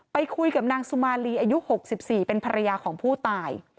ไปคุยกับนางสุมาลีอายุ๖๔เป็นภรรยาของผู้ตาย